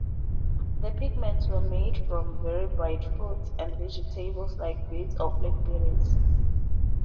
The pigments were made from very bright fruits and vegetables like beets or blackberries.